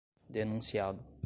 denunciado